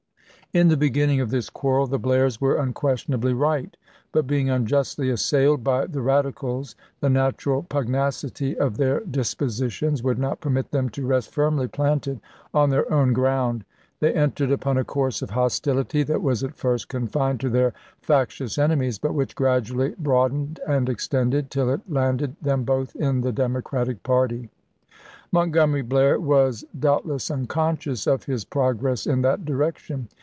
In the beginning of this quarrel the Blairs were unquestionably right ; but being unjustly assailed by the Radicals, the natural pugnacity of their dis positions would not permit them to rest firmly planted on their own ground. They entered upon a course of hostility that was at first confined to their factious enemies, but which gradually broad ened and extended till it landed them both in the Democratic party. Montgomery Blair was doubt less unconscious of his progress in that direction.